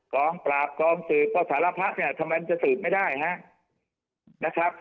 กองปราบกองสืบก็สารพระเนี่ยทำไมมันจะสืบไม่ได้ฮะนะครับ